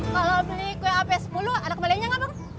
kalau beli kue ap sepuluh ada kembaliannya gak bang